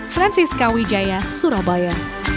francisca wijaya surabaya